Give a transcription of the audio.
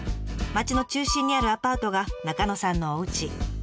町の中心にあるアパートが中野さんのおうち。